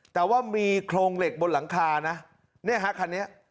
แต่ว่ามีโครงเหล็กบนหลังคานะเนี่ยฮะคันนี้